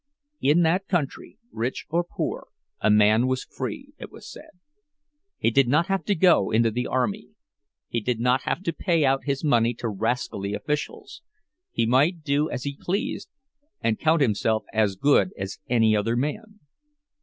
In that country, rich or poor, a man was free, it was said; he did not have to go into the army, he did not have to pay out his money to rascally officials—he might do as he pleased, and count himself as good as any other man.